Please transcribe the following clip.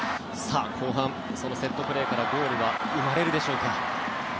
後半、そのセットプレーからゴールが生まれるでしょうか。